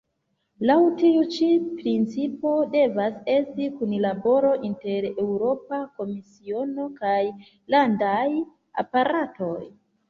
Laŭ tiu ĉi principo devas esti kunlaboro inter Eŭropa Komisiono kaj landaj aparatoj.